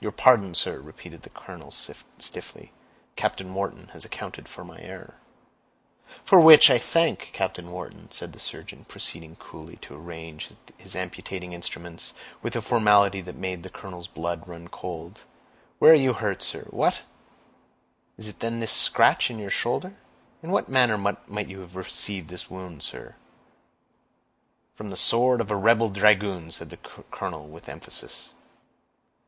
"Your pardon, sir," repeated the colonel stiffly. "Captain Wharton has accounted for my error." "For which I thank Captain Wharton," said the surgeon, proceeding coolly to arrange his amputating instruments, with a formality that made the colonel's blood run cold. "Where are you hurt, sir? What! is it then this scratch in your shoulder? In what manner might you have received this wound, sir?" "From the sword of a rebel dragoon," said the colonel, with emphasis.